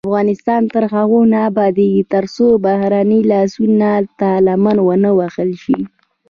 افغانستان تر هغو نه ابادیږي، ترڅو بهرنۍ لاسوهنې ته لمن ونه وهل شي.